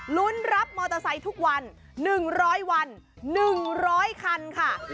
ลุ้นรับมอเตอร์ไซค์ทุกวัน๑๐๐วัน๑๐๐คันค่ะ